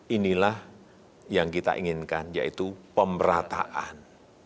inilah yang kita inginkan yaitu pemerataan